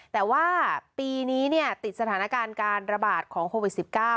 แต่ว่าปีนี้ติดสถานการณ์การระบาดของโควิด๑๙